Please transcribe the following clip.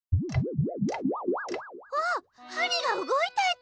あっはりがうごいたち！